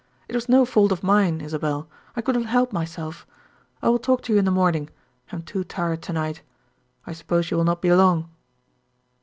It was no fault of mine, Isabel; I could not help myself. I will talk to you in the morning; I am too tired to night. I suppose you will not be long."